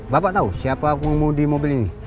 bapak tahu siapa pengemudi mobil ini